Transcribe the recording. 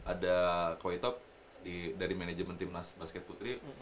ada witewapel dari manajemen tim naskah basket putri